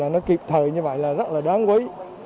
nó kịp thời như vậy là rất là đáng quý